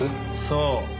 そう。